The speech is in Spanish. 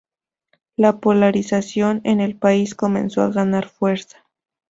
La polarización en el país comenzó a ganar fuerza.